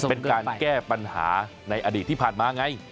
เป็นการแก้ปัญหาในอดีตที่ผ่านมาไง